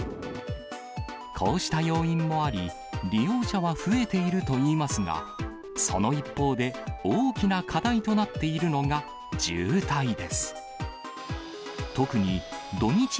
こうした要因もあり、利用者は増えているといいますが、その一方で、大きな課題となっているのが渋滞です。